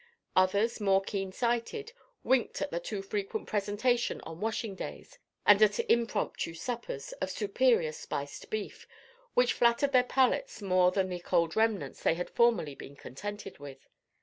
Others, more keen sighted, winked at the too frequent presentation on washing days, and at impromptu suppers, of superior spiced beef, which flattered their palates more than the cold remnants they had formerly been contented with.